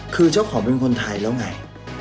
คือเจ้าของเป็นคนไทยแล้วไง